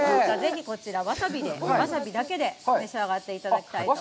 こちら、わさびだけで召し上がっていただきたいと思います。